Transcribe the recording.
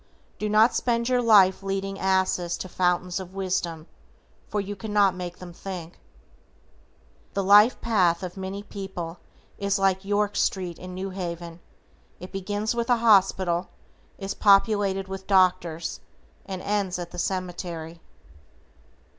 Do not spend your life leading asses to fountains of wisdom, for you cannot make them think. The life path of many people is like York Street in New Haven, it begins with a hospital, is populated with doctors and ends at the cemetery.